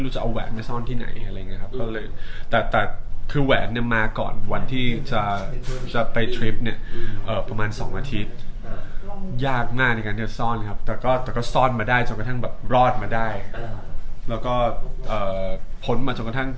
เรียงคำไปจากเมืองไทยยังไงบ้างคำยังไงไม่ให้เขารู้ตัว